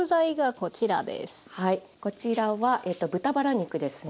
こちらは豚バラ肉ですね